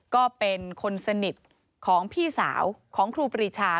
ก็เป็นคนสนิทของพี่สาวของครูปรีชา